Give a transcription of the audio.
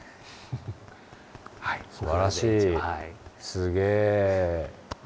すげえ。